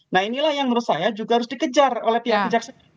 nah inilah yang menurut saya juga harus dikejar oleh pihak kejaksaan